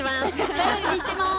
頼りにしてます！